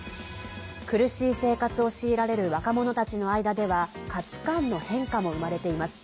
苦しい生活を強いられる若者たちの間では価値観の変化も生まれています。